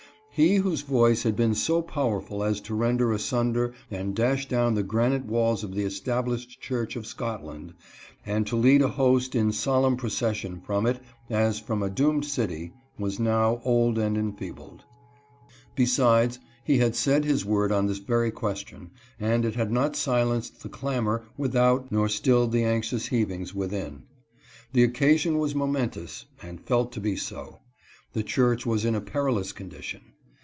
He whose voice had been so powerful as to rend asunder and dash down the granite walls of the Established Church of Scotland, and to lead a host in solemn pro cession from it as from a doomed city, was now old and 312 GEORGE THOMPSON. enfeebled. Besides, he had said his word on this very question, and it had not silenced the clamor without nor stilled the anxious heavings within. The occasion was momentous, and felt to be so. The church was in a perilous condition.